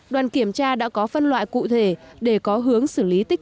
đoàn kiểm tra đã có phân pháp